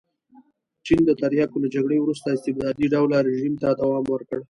چین د تریاکو له جګړې وروسته استبدادي ډوله رژیم ته دوام ورکړ.